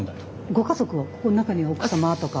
ご家族はここの中には奥様とか。